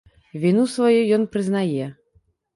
Віну сваю ён прызнае.